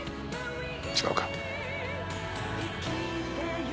違うか？